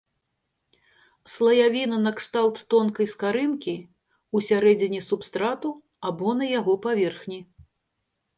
Слаявіна накшталт тонкай скарынкі, усярэдзіне субстрату або на яго паверхні.